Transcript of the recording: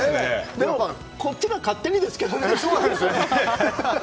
でも、こっちは勝手にですけどね。